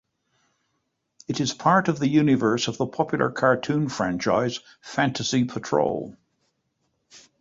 It is part of the universe of the popular cartoon franchise "Fantasy Patrol".